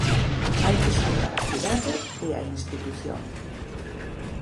Hai que salvar a cidade e a institución.